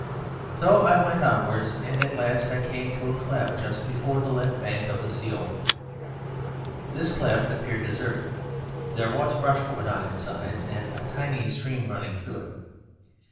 So I went onwards; and at last I came to a cleft just before the left bank of the Sioule. This cleft appeared deserted: there was brushwood on its sides and a tiny stream running through it.